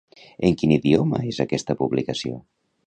En quin idioma és aquesta publicació?